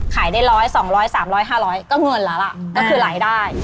ขายได้ร้อยสองร้อยสามร้อยห้าร้อยก็เหงือนแล้วเราคือไหลได้